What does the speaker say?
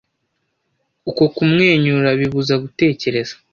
Uko kumwenyura bibuza gutekereza